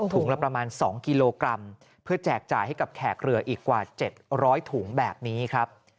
ละประมาณ๒กิโลกรัมเพื่อแจกจ่ายให้กับแขกเรืออีกกว่า๗๐๐ถุงแบบนี้ครับ